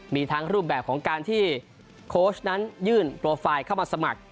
มีทั้งรูปแบบของการที่โค้ชนั้นยื่นโปรไฟล์เข้ามาสมัคร